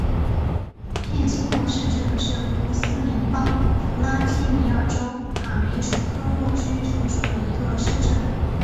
片基诺市镇是俄罗斯联邦弗拉基米尔州卡梅什科沃区所属的一个市镇。